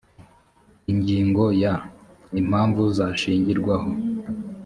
ingingo ya…: impamvu zashingirwaho